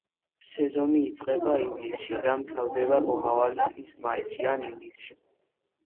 სეზონი იწყება ივლისში და მთავრდება მომავალი წლის მაისში, ან ივნისში.